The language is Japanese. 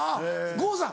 郷さん